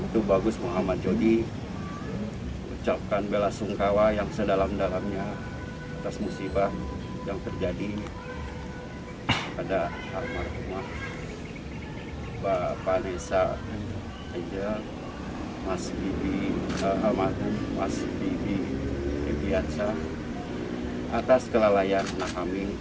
terima kasih pak